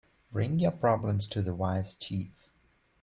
Bring your problems to the wise chief.